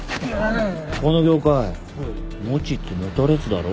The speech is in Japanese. この業界持ちつ持たれつだろ？